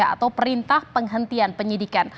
atau perintah penghentian penyidikan